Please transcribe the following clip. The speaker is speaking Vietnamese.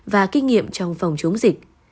và kinh nghiệm trong phòng chống dịch